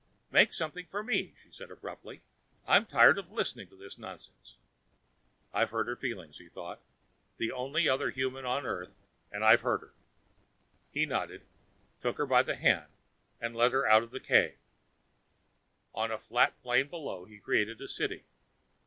"Make something for me," she said abruptly. "I'm tired of listening to this nonsense." I've hurt her feelings, he thought. The only other human on Earth and I've hurt her. He nodded, took her by the hand and led her out of the cave. On the flat plain below he created a city.